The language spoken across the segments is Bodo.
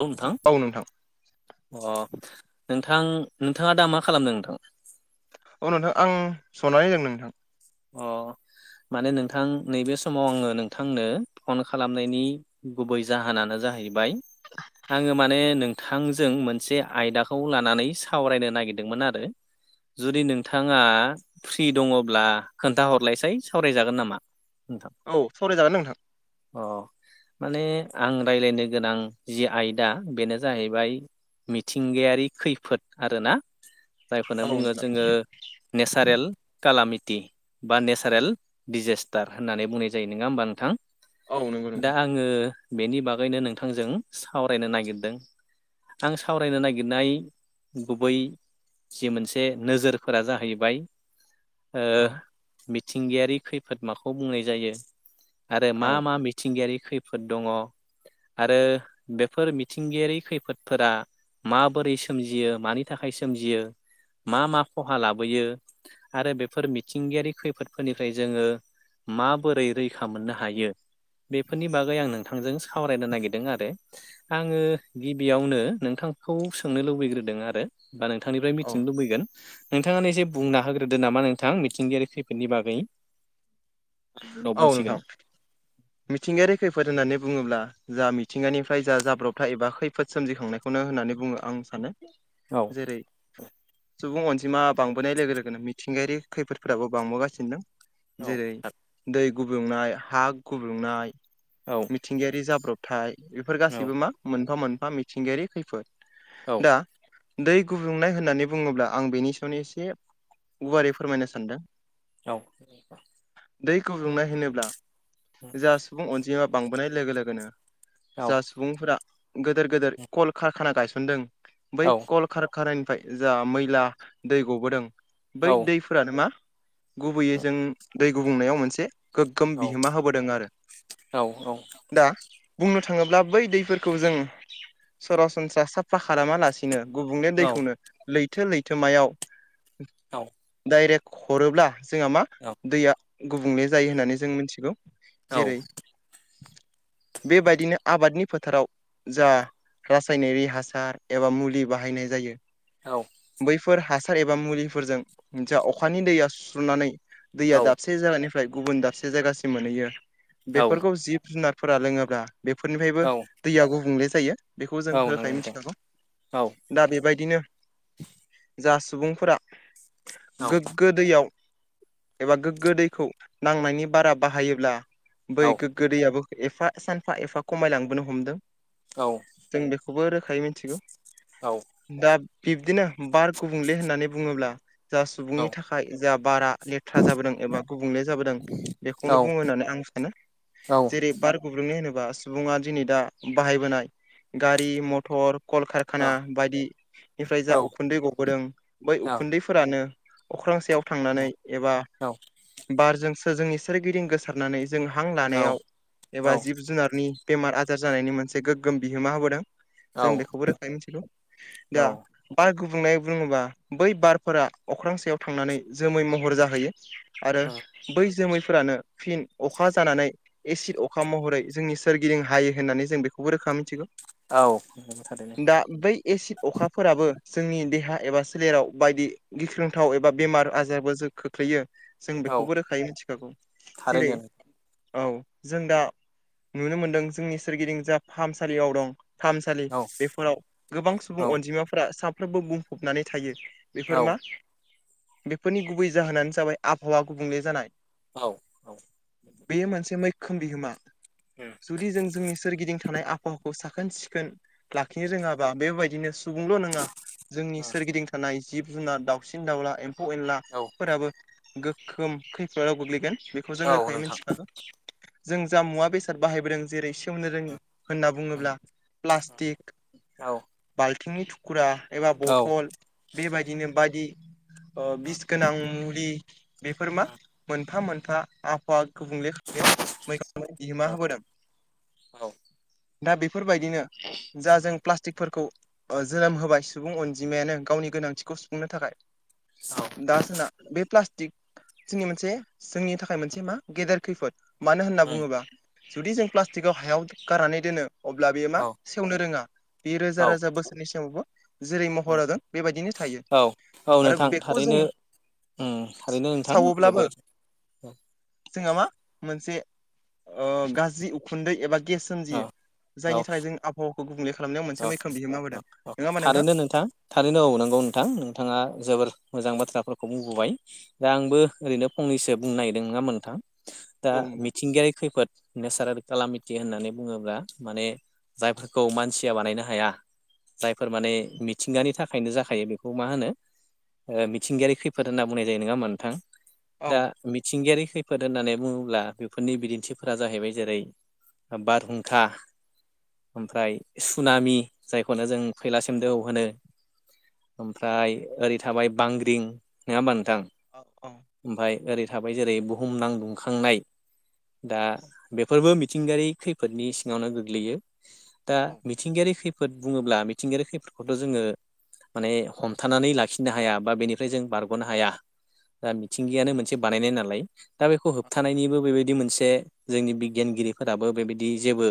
औ नोंथां। औ नोंथां। अ नोंथां नोंथाङा दा मा खालामदों नोंथां? औ नोंथां आं जनानै दं नोंथां। अ माने नोंथां नैबे समाव आङो नोंथांनो फन खालामनायनि गुबै जाहोनानो जाहैबाय आङो माने नों थांजों मोनसे आयदाखौ लानानै सावरायनो नागिरदोंमोन आरो। जुदि नोंथाङा फ्रि दङब्ला खोन्थाहरलायसै सावरायजागोन नामा नोंथां? औ सावरायजागोन नोंथां। अ माने आं रायज्लायनो गोनां जि आयदा बेनो जाहैबाय मिथिंगायारि खैफोद आरोना जायखौनो औ बुङो नोंथां जोङो नेसारेल कालामिटि बा नेचारेल दिडजेस्टार होननानै बुंनाय जायो नङा होमबा नोंथां औ नंगौ नोंथां दा आं आङो बेनि बागैनो नोंथांजों सावरायनो नागिरदों आं सावरायनो नागिरनाय गुबै जि मोनसे नोजोरफोरा जाहैबाय औ मिथिंगायारि खैफोद माखौ बुंनाय जायो आरो मा औ मा मिथिंगायारि खैफोद दङ आरो बेफोर मिथिंगायारि खैफोदफोरा माबोरै सोमजियो मानि थाखाय सोमजियो मा मा खहा लाबोयो आरो बेफोर मिथिंगायारि खैफोदफोरनिफ्राय जोङो माबोरै रैखा मोननो हायो? बेफोरनि बागै आं नोंथांजों सावरायनो नागिरदों आरो आङो गिबियावनो नोंथांखौ सोंनो लुबैग्रोदों आरो बा नोंथांनिफ्राय औ मिथिनो लुबैगोन नोंथाङानो ए जसे बुंना होग्रोदो नामा नोंथां मिथिंगायारि फोरनि बागै आं उनाव औ नोंथां बुंसिगोन मिथिंगायारि खैफोद होननानै बुङोब्ला जा मिथिंगानिफ्राय जा जाब्रबथा एबा खैफोद सोमजिखांनाय खौनो होननानै बुङो आं सानो औ जेरै सुबुं अनजिमा बांबोनाय लोगो लोगोनो मिथिंगायारि खैफोदफोराबो बांबोगासिनो दं औ जेरै दै गुबुंनाय हा गुबुंनाय औ मिथिंगायारि जाब्रबथाय बेफोर औ गासैबो मा मोनफा मोनफा मिथिंगायारि खैफोद औ दा दै गुबुंनाय होननानै बुङोब्ला आं बेनि सायावनो एसे गुवारै फोरमायनो सानदों औ दै गुदुंनाय होनोब्ला जा सुबुं अनजिमा बांबोनाय लोगो लोगोनो जा औ सुबुंफोरा गेदेर गेदेर कलकारखाना गायसनदों बै कल खारखानायानिफ्राय जा मैला दै गबोदों औ बै दै फोरानो मा गुबैयै जों दै गुबुंनायाव मोनसे गोग्गोम बिहोमा होबाय आरो [inaudible] दा बुंनो थाङोब्ला बै दैफोरखौ जों सरासनस्रा साफा खालामालासिनो नो गुबुंले औ दैखौनो लैथो लैथोमायाव दाइरेक्ट हरोब्ला जोंहा मा दैया गुबुंले जायो होननानै जों मिथिगौ जेरै बेबायदिनो आबादनि फोथाराव जा रासायनारि हासार एबा मुलि बाहायनाय जायो। औ बैफोर हासार एबा मुलिफोरजों ज अखानि दैया सुस्रनानै दैया दाबसे दाबसे जायगानिफ्राय गुबुन दाबसे जायगासिम मोनहैयो। औ बेफोरखौ जिब जुनारफोरा लोंङोब्ला बेफोरनिफ्रायबो औ दैया गुबुंले जायो बेखौ जों औ रोखायै नंगौ नोंथां मिथिखागौ औ दा बेबायदिनो जा सुबुंफोरा गोग्गो दैयाव एबा गोग्गो दैखौ नांनायनि बारा बाहायोब्ला बै गोदैयाबो एफा सानफा एफा खमायलांबोनो हमदों औ जों बेखौबो रोखायै मिथिगौ औ दा बिब्दिनो बार गुबुंले होननानै बुंङोब्ला जा सुबुंनि थाखाय जहा बारा लेथ्रा जाबोदों एबा गुबुंले जाबोदों बेखौनो बुङो होननानै आं सानो जे बार गुब्रुंनाय होनोबा सुबुंङा दिनै दा बाहायबोनाय गारि मथर कलकारखाना बायदिनिफ्राय जा उखुन्दै गबोदों बै उखुन्दैफोरानो अख्रांसेयाव थांनानै एबा बारजों जोंनि सोरगिदिं गोसारनानै जों हां लानायाव एबा जिब जुनारनि बेमार आजार जानायनि मोनसे गोग्गोम बिहोमा होबोदों जों बेखौबो रोखायै मिथिलौ दा बार गुबुंनाय बुङोबा बै बारफोरा अख्रांसेयाव थांनानै जोमै महर जाहैयो आरो बै जोमैफोरानो फिन अखा जानानै एसिड अखा महरै जोंनि सोरगिदिं हायो होननानै जों बेखौबो रोखा मिथिगौ औ नंगौ थारैनो दा बै एसे अखाफोराबो जोंनि देहा एबा सोलेराव बायदि गिख्रोंथाव एबा बेमार आजारबो जों खोख्लैयो जों औ बेखौबो रोखायै मिथिखागौ जेरै थारैनो औ जों दा नुनो मोनदों जोंनि सोरगिदिं जाहा फाहामसालियाव दं। फाहामसालि औ बेफोराव गोबां औ सुबुं अनजिमाफोरा साफ्रोमबो बुंफबनानै थायो। औ बेफोर मा बेफोरनि गुबै जाहोनानो जाबाय आबहावा गुबुंले जानाय। औ बेयो मोनसे मैखोम बिहोमा जुदि जों जोंनि सोरगिदिं थानाय आबहावाखौ साखोन सिखोन लाखिनो रोंङाबा बेबायदिनो सुबुंल' नंङा जोंनि सोरगिदिं थानाय जिब जुनार दाउसिन दाउला एम्फौ औ एनलाफोराबो गोखोम खैफोदाव गोग्लैगोन बेखौ जों औ रोखायै नोंथां मिथि जों जा मुवा बेसाद बाहायबोदों जेरै सेवनो औ रोंङि होनना औ बुंङोब्ला प्लास्टिक औ बाल्थिंनि कुखुरा एबा औ बथल बेबायदिनो बायदि ओ बिस गोनां मुलि बेफोर मा मोनफा मोनफा आफाद। गुबुंले खनायाव मै बिहोमा होबोदों [unintelligible] दा बेफोरबायदिनो जा जों प्लास्टिकफोरखौ ओ जोनोम होबाय सुबुं अनजिमायानो गावनि गोनांथिखौ सुफुंनो थाखाय। दा जोंना बे प्लास्टिक जोंनि मोनसे जोंनि थाखाय मोनसे मा गेदेर खैफोद मानो होनना बुंङोबा जुदि जों प्लास्टिकआव हायाव गारनानै दोनो अब्ला बेयो मा सेवनो रोंङा। बे रोजा रोजा बोसोरनि सावबो जेरै महर होगोन बेबायदिनो थायो। औ आरो बेखौ जोंङो उम थारैनो नोंथां जोबद जोंहा मा मोनसे ओ गाज्रि उखुन्दै एबा गेसजों औ दि औ जायनि थाखाय जों आबहावाखौ गुबुंले खालामनायाव औ मोनसे मैखोम बिहोमा औ होबोदों औ नोंङा होमबा नोंथां? थारैनो थारैनो औ नंगौ नोंथां नोंथांङा जोबोर मोजां बाथ्राफोरखौ बुंबोबाय। दा आंबो ओरैनो फंनैसो बुंनो नागिरदों नोंङा होमबा नोंथां? दा औ नोंथां मिथिंगायारि खैफोद नेचारेल खालामिटि होननानै बुंङोब्ला माने जायफोरखौ मानसि खुथिया बानायनो हाया जायफोर माने मिथिंगानि थाखायनो जाखायो। बेखौ मा होनो ओ मिथिंगायारि खैफोद होनना बुंनाय जायो। नोंङा होमबा नोंथां औ दा मिथिंगायारि खैफोद होननानै बुंङोब्ला बेफोरनि बिदिन्थिफोरा जाहैबाय जेरै बारहुंखा ओमफ्राय सुनामि जायखौनो जों फैलासिम दोहौ होनो। ओमफ्राय ओरै थाबाय बांग्रिं नोंङा होमबा नोंथां औ औ ओमफाय ओरै थाबाय जेरै बुहुमनां दुंखांनाय दा बेफोरबो मिथिंगायारि खैफोदनि सिंङावनो गोग्लैयो। दा औ मिथिंगायारि खैफोद बुंङोब्ला मिथिंगायारि खैफोदखौथ' जोंङो माने हमथानानै लाखिनो हाया बा बेनिफ्राय जों बारग'नो हाया। दा मिथिंगायानो मोनसे बानायनाय नालाय दा बेखौ होबथानायनिबो बेबायदि मोनसे जोंनि बिगियानगिरिफोराबो बेबायदि जेबो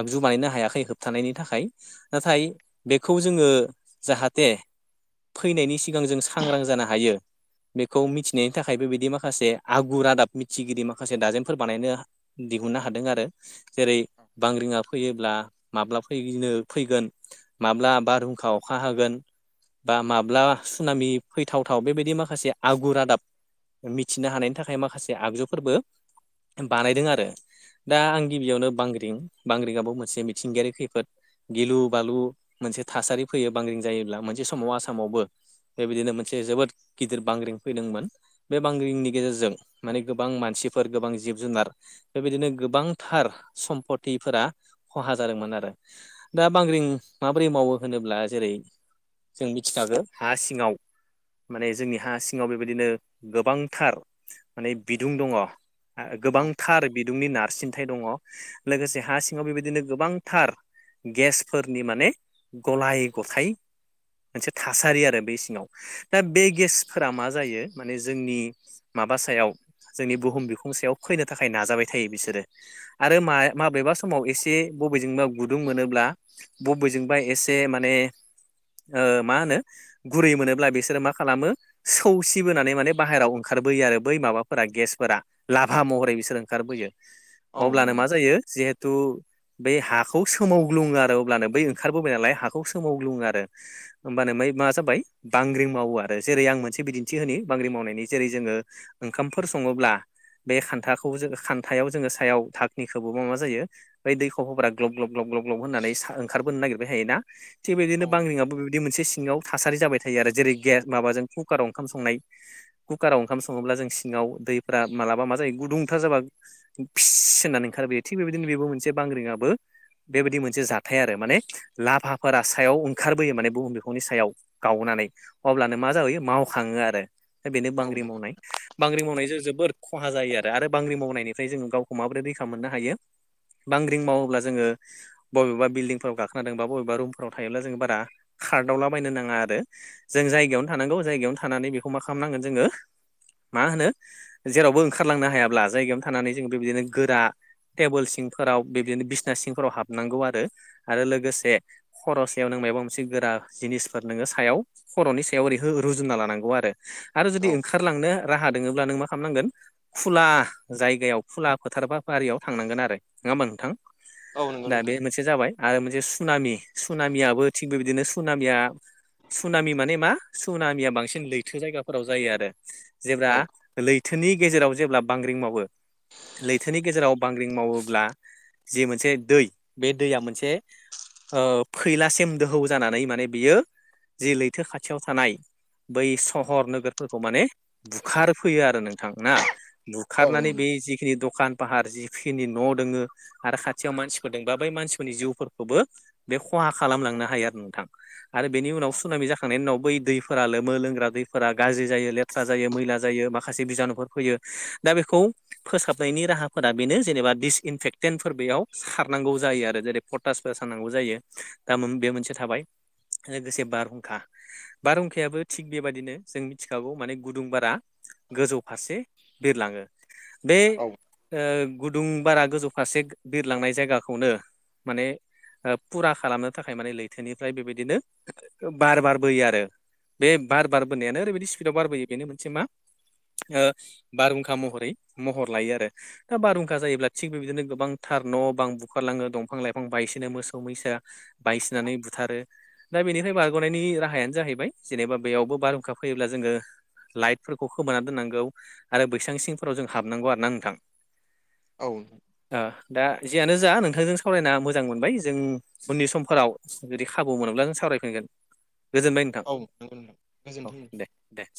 आगजु बानायनो हायाखै थानायनि थाखाय नाथाय बेखौ जोंङो जाहाथे फैनायनि सिगां जों सांग्रां जानो हायो। बेखौ मिथिनायनि थाखायबो बिदि माखासे आगु रादाब मिथिगिरि माखासे दाजेनमफोर बानायनो दिहुननो हादों आरो। जेरै बांग्रिंङा फैयोब्ला माब्ला फैनो फैगोन माब्ला बारहुंखा अखा हागोन। बा माब्ला सुनामि फैथावथाव बेबायदि माखासे आगुर रादाब मिथिनो हानायनि थाखाय माखासे आगजुफोरबो बानायदों आरो दा आं गिबियावनो बांग्रिं बांग्रिंङाबो मोनसे थंगायारिढ़ं खैफोद गिलु बालु मोनसे थासारि फैयो बांग्रिं जायोब्ला मोनसे समाव आसामावबो बेबायदिनो मोनसे जोबोद गिदिर बांग्रिं फैदोंमोन बे बांग्रिंनि गेजेरजों माने गोबां मानसिफोर गोबां जिब जुनार बेबायदिनो गोबांथार सम्पतिफोरा खहा जादोंमोन आरो दा बांग्रिं माबोरै मावो होनोब्ला जेरै जों मिथिखागौ हा सिङाव माने जोंनि हा सिङाव बेबायदिनो गोबांथार माने बिदुं दङ औ गोबांथार बिदुंनि नारसिनथाय दङ लोगोसे हा सिङाव बेबायदिनो गोबांथार गेसफोरनि माने गलाय गथायाइ मोनसे थासारि आरो बे सिङाव दा बे गेसफोरा मा जायो माने जोंनि माबा सायाव जोंनि बुहुम बिखुं सायाव फैनो थाखाय नाजाबाय थायो बिसोरो आरो म माबेबा समाव एसे बबेजोंबा गुदुं मोनोब्ला बबेजोंबा एसे माने मा होनो गुरै मोनोब्ला बिसोरो मा खालामो सौसिबोनानै माने बाहेरायाव ओंखारबोयो आरो बै माबाफोरा गेसफोरा लाभा महरै बिसोर ओंखारबोयो औ अब्लानो नंगौ मा नंगौ जायो जिहेथु बै हाखौ सोमावग्लुङो आरो अब्लानो बै ओंखारबोबाय नालाय हाखौ सोमावग्लुङो आरो होमबानो माय मा जाबाय बांग्रि मावो आरो जेरै आं मोनसे बिदिन्थि होनो बांग्रि मावनायनि जेरै जोङो ओंखामफोर सङोब्ला बे खान्थाखौ जो खान्थायाव जोङो सायाव धकनिखौबो मा मा जायो खब'फोरा ग्लब ग्लब ग्लब गब ग्लब होननानै ओंखारबोनो नागिरबाय थायो ना थिगबायदिनो औ नंगौ बांग्रिबबो बेबायदि मोनसे सिङाव थासारि जाबाय थायो आरो जेरै गेस माबाजों कुकाराव ओंखाम संनाय कुकाराव ओंखाम सङोब्ला जों सिङाव दैफ्रा मालाबा मा जायो गुदुंथार जाबा फिस होननानै ओंखारबोयो थिग बेबायदिनो बेबो मोनसे बांग्रिङाबो बेबायदि मोनसे जाथाय आरो माने लाभाफोरा सायाव ओंखारबोयो माने बुहुम बिफनि सायाव गावनानै अब्लानो मा जाबोयो मावखाङो आरो दा बेनो औ बांग्रि नंगौ मावनाय बांग्रि मावनायजों जोबोद खहा जायो आरो आरो बांग्रि मावनायनिफ्राय जोङो गावखौ माबोरै रैखा मोननो हायो बांग्रिं मावोब्ला जोङो बबेबा बिल्डिंफोराव गाखोनाादोंबा बबेबा रुमफोराव थायोब्ला जोङ बारा खार्दावला बायनो नाङा आरो जों जायगायावनो थानांगौ जायगायावनो थानानै बेखौ मा खालामनांगोन जोङो मा होनो जेरावबो ओंखारलांनो हायाब्ला जायगायावनो थानानै जों बेबायदिनो गोरा टेबोल सिम फोराव बिदिनो बिसना सिंफोराव हाबनांगौ आरो आरो लोगोसे खर' सायाव नों मबा मोनसे गोरा जिनिसफोर नोङो सायाव खर'नि सायाव ओैहो रुजुना लानांगौ आरो आरो जुदि औ ओंखारलांनो राहा लोङोब्ला नों मा खालामनांगोन खुला जायगायाव खुला फोथार बाफारियाव थांनांगोन आरो नङा होमबा नोंथां औ नंगौ दा बे नोंथां मोनसे जाबाय आरो मोनसे सुनामि सुनामियाबो थिग बेबायदिनो सुनामिया सुनामि माने मा सुनामिया बांसिन लैथो जायगाफोराव जायो आरो जेब्ला औ लैथोनि गेजेराव जेब्ला बांग्रिं मावो लैथोनि गेजेराव बांग्रिं मावो ब्ला जि मोनसे दै बे दैया मोनसे ओ- फैलासिम दोहौ जानानै माने बियो जे लैथो खाथियाव थानाय बै सहर नोगोरफोरखौ माने बुखार फैयो आरो नोंथां ना- औ बुखारनानै नंगौ बे नोंथां जिखिनि दखान फाहार जिखिनि न' दङो आरो खाथियाव मानसिफोर दबा बै मानसिफोरनि जिउफोरखौबो बे खहा खालामलांनो हायो आरो नोंथां आरो बेनि उनाव सुनमि जाखांनायनि उनाव बै दै फोरा लोमो लोंग्रा दैफोरा गाज्रि जायो लेथ्रा जायो मैला जायो माखासे बिजानुफोर फैयो दा बेखौ फोसाबनायनि राहाफोरा बेनो जेनेबा दिस इनफेक्टेेनफोर बेयाव सारनांगौ जायो आरो जेरै पटासफोर सारनांगौ जायो। दा- बे मोनसे थाबाय लोगोसे बारहुंखा बारहुंखायाबो थिग बेबायदिनो जों मिथिखागौ माने गुदुं बारा गोजौ फारसे बिरलाङो बे औ ओ गुदुं बारा गोजौ फारसे बिरलांनाय जायगाखौनो माने ओ फुरा खालामनो थाखाय माने लैथोनिफ्राय बेबायदिनो बार बारबोयो आरो बे बार बारबोनायानो ओरैबायदि स्पिडाव बारबोयो बेनो मोनसे मा ओ बारहुंखा महरै महर लायो आरो दा बारहुंखा जायोब्ला थिग बेबायदिनो गोबांथार न' बां बुखारलाङो दंफां लाइफां बायसिनो मोसौ मैसा बायसिनानै बुथारो दा बेनिफ्राय बारग'नायनि राहायानो जाहैबाय जेनेबा बेयावबो बारहुंखा फैयोब्ला जोङो लाइटफोरखौ खोमोना दोननांगौ आरो बैसां सिंफोराव जों हाबनांगौ आरोना नोंथां औ ओ दा जियानो जा नोंथांजों सावरायना मोजां मोनबाय जों उननि समफोराव जुदि खाबु मोनोब्ला जों सावरायफिनगोन गोजोनबाय नोंथां औ नंगौ नोंथां औ गोजोन्थों दे दे